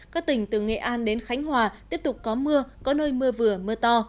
các tỉnh từ nghệ an đến khánh hòa tiếp tục có mưa có nơi mưa vừa mưa to